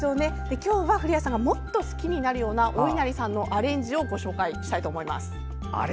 今日は古谷さんがもっと好きになるようなおいなりさんのアレンジをご紹介したいと思います。